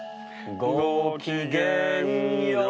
「ごきげんよう！」